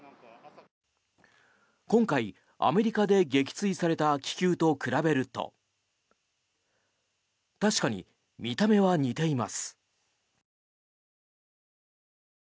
今回、アメリカで撃墜された気球と比べると確かに、見た目は似ています。